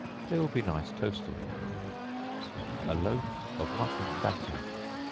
They will be nice toasted. A Loaf of Muffin Batter.